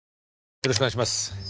よろしくお願いします。